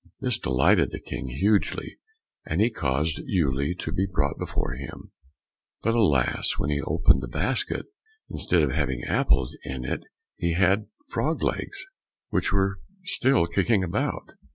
This delighted the King hugely, and he caused Uele to be brought before him; but, alas! when he opened the basket, instead of having apples in it he had frogs' legs which were still kicking about.